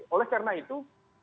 oleh karena itu